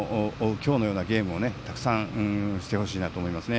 今日のようなゲームたくさんしてほしいなと思います。